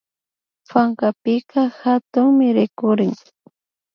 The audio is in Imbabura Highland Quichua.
Pankapika hatunmi rikurin